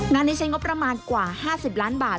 นี้ใช้งบประมาณกว่า๕๐ล้านบาท